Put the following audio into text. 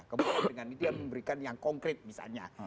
kemudian dengan itu yang memberikan yang konkret misalnya